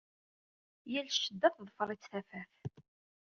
Yal ccedda teḍfer-itt tafat.